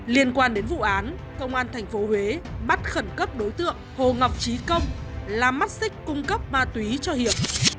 liên quan đến vụ án công an tp huế bắt khẩn cấp đối tượng hồ ngọc trí công là mắt xích cung cấp ma túy cho hiệp